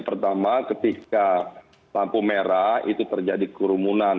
pertama ketika lampu merah itu terjadi kerumunan